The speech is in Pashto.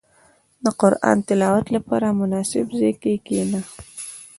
• د قران د تلاوت لپاره، مناسب ځای کې کښېنه.